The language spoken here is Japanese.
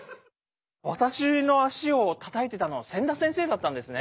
私の足をたたいてたのは千田先生だったんですね。